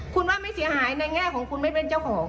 คุณว่าไม่เสียหายในแง่ของคุณไม่เป็นเจ้าของ